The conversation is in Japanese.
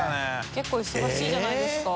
結構忙しいじゃないですか。